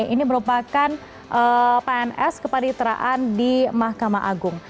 ini merupakan pns kepaniteraan di mahkamah agung